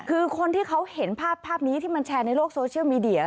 คือคนที่เขาเห็นภาพนี้ที่มันแชร์ในโลกโซเชียลมีเดีย